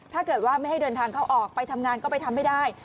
ถ้าเกิดว่าไม่ให้เดินทางเข้าออกไปทำงานก็ไปทำไม่ได้